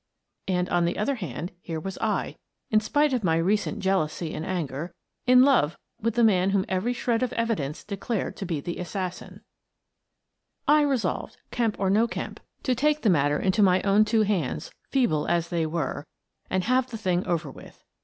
And, on the other hand, here was I — in spite of my recent jealousy and anger — in love with the man whom every shred of evidence declared to be the assassin. I resolved, Kemp or no Kemp, to take the matter 139 130 Miss Frances Baird, Detective into my own two hands, feeble as they were, and have the thing over with.